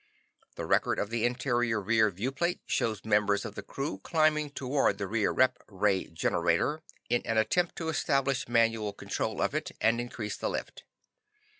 The record of the interior rear viewplate shows members of the crew climbing toward the rear rep ray generator in an attempt to establish manual control of it, and increase the lift.